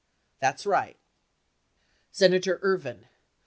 That's right. Senator Ervin.